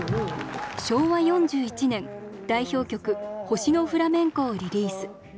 昭和４１年代表曲「星のフラメンコ」をリリース。